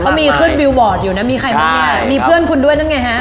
เขามีขึ้นวิววอร์ดอยู่นะมีใครบ้างเนี่ยมีเพื่อนคุณด้วยนั่นไงฮะ